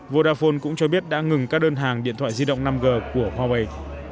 vodafone cũng cho biết đã ngừng các đơn hàng điện thoại di động năm g của huawei